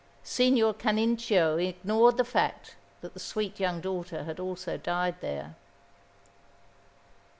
Signor Canincio ignored the fact that the sweet young daughter had also died there.